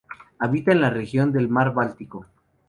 Habita en la región del Mar Báltico.